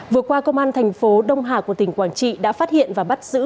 vừa qua công an thành phố đông hà của tỉnh quảng trị đã phát hiện và bắt giữ